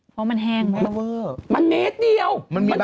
เพราะมันแห้งมากเวอร์มันเมตรเดียวมันสูงเมตรเดียวมันเมตรเวอร์